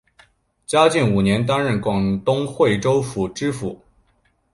嘉靖五年担任广东惠州府知府。